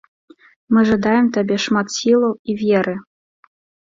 Мы жадаем табе шмат сілаў і веры!